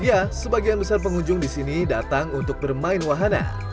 ya sebagian besar pengunjung di sini datang untuk bermain wahana